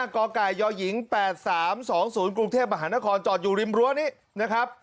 ๕กกย๘๓๒๐กรูเทพธนครจอดอยู่ริมรั้วนี้นะครับ